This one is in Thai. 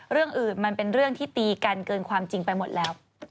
เรื่องอื่นมันเป็นเรื่องที่ตีกันเกินความจริงไปหมดแล้ว